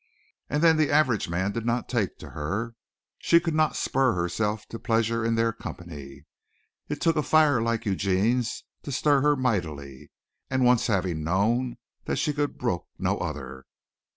And then the average man did not take to her. She could not spur herself to pleasure in their company. It took a fire like Eugene's to stir her mightily, and once having known that she could brook no other.